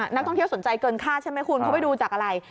นักท่องเที่ยวสนใจเกินค่าใช่ไหมคุณเขาไปดูจากอะไร